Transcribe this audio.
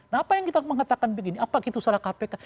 nah apa yang kita mengatakan begini apa itu salah kpk